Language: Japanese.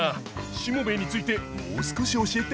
しもべえについてもう少し教えて。